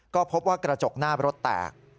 ก็พบว่ากระจกหน้ารถแตก